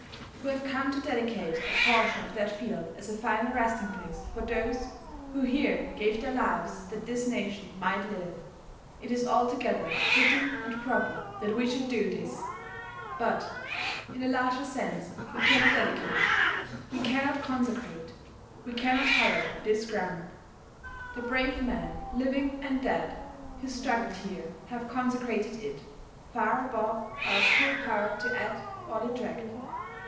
We have come to dedicate a portion of that field as a final resting place for those who here gave their lives that this nation might live. It is altogether fitting and proper that we should do this. But, in a larger sense, we cannot dedicate. . .we cannot consecrate. .. we cannot hallow this ground. The brave men, living and dead, who struggled here have consecrated it, far above our poor power to add or detract.